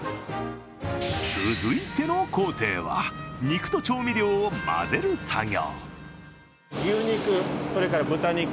続いての工程は肉と調味料を混ぜる作業。